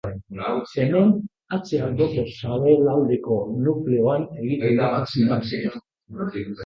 Hemen, atze-alboko sabelaldeko nukleoan egiten dute sinapsia.